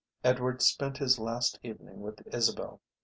Edward spent his last evening with Isabel.